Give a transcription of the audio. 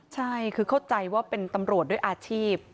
ใช่คือเข้าใจว่าเป็นตำรวจด้วยอาชีพ